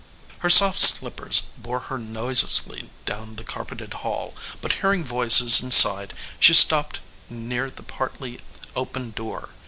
Her soft slippers bore her noiselessly down the carpeted hall, but hearing voices inside she stopped near the partly openers door.